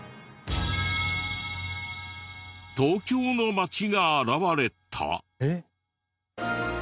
東京の街が現れた！？